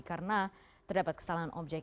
karena terdapat kesalahan objek